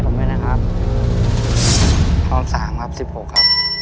ตัวเลือดที่๓ม้าลายกับนกแก้วมาคอ